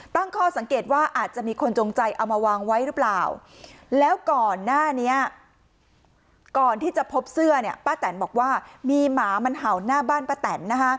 ต้องค่อสังเกตุว่าอาจจะมีคนจงใจเอามาวางไว้รึเปล่า